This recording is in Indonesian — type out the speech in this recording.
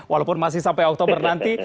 walaupun masih sampai oktober nanti